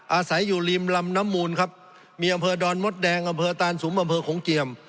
อาศัยอยู่ริมลำน้ำมูลครับมีอำเภอดอนมดแดงอำเภอตานสุมอำเภอขงเจียม